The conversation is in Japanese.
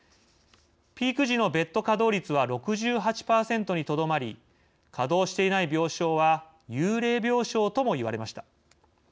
ピーク時のベッド稼働率は６８％にとどまり稼働していない病床は幽霊病床とも言われました。